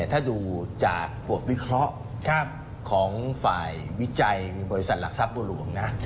ถ้าดูจากบทวิเคราะห์ของฝ่ายวิจัยบริษัทหลักทรัพย์บัวหลวงนะ